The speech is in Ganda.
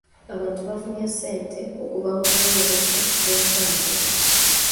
Abantu bafunye ssente okuva mu buweereza bw'ebyentambula.